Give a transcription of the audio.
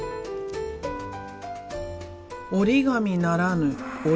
折り紙ならぬ折り葉。